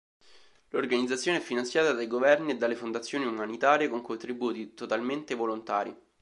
L'organizzazione è finanziata dai governi e dalle fondazioni umanitarie con contributi totalmente volontari.